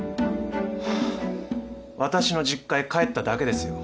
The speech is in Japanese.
ハァ私の実家へ帰っただけですよ。